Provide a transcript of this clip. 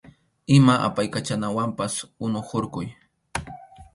Ima apaykachanawanpas unu hurquy.